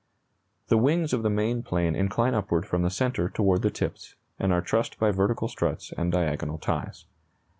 ] The wings of the main plane incline upward from the centre toward the tips, and are trussed by vertical struts and diagonal ties.